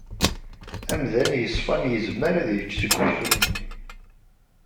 Amdan yeṣfan izmer ad yečč seg weksum-nni.